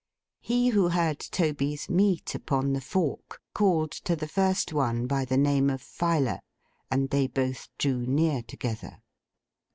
He who had Toby's meat upon the fork, called to the first one by the name of Filer; and they both drew near together.